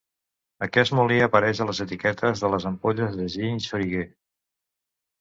Aquest molí apareix a les etiquetes de les ampolles de Gin Xoriguer.